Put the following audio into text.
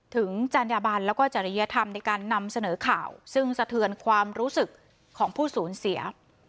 จัญญบันแล้วก็จริยธรรมในการนำเสนอข่าวซึ่งสะเทือนความรู้สึกของผู้สูญเสีย